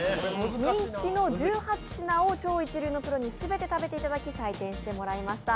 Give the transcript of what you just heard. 人気の１８品を超一流のプロに全て食べていただき採点してもらいました。